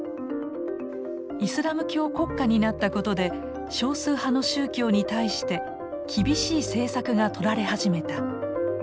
イスラム教国家になったことで少数派の宗教に対して厳しい政策がとられ始めた。